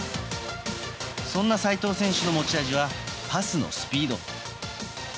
そんな齋藤選手の持ち味はパスのスピード。